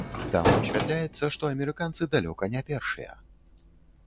Там высвятляецца, што амерыканцы далёка не першыя.